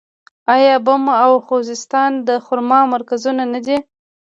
آیا بم او خوزستان د خرما مرکزونه نه دي؟